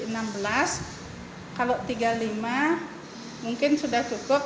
kalau tiga puluh lima mungkin sudah cukup